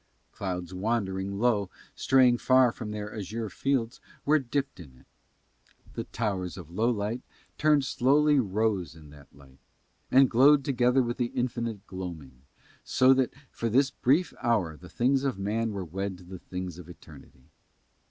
Clouds wandering low, straying far from their azure fields, were dipped in it. The towers of Lowlight turned slowly rose in that light, and glowed together with the infinite gloaming, so that for this brief hour the things of man were wed with the things of eternity.